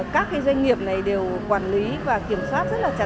các doanh nghiệp này đều quản lý và kiểm soát rất chặt chẽ từ khâu đầu vào